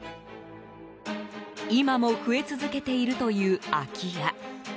今も増え続けているという空き家。